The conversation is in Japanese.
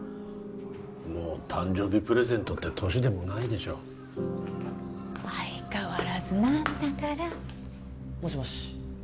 もう誕生日プレゼントって年でもないでしょ相変わらずなんだからもしもし？